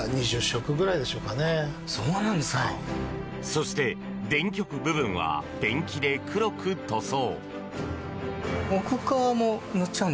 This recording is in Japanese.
そして、電極部分はペンキで黒く塗装。